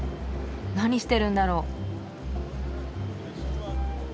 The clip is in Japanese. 何してるんだろう？